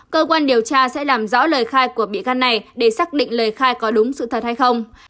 cơ quan điều tra sẽ làm rõ lời khai của bị can này để xác định lời khai có đúng sự thật hay không